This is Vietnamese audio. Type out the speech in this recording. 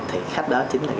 thì khách đó chính là